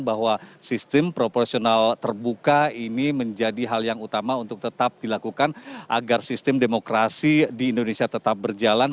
bahwa sistem proporsional terbuka ini menjadi hal yang utama untuk tetap dilakukan agar sistem demokrasi di indonesia tetap berjalan